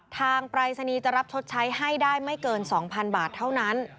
ปรายศนีย์จะรับชดใช้ให้ได้ไม่เกิน๒๐๐๐บาทเท่านั้น